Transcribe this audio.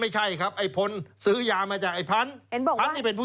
ไม่ใช่ครับไอ้พนธุ์ซื้อยามาจากไอ้พันธุ์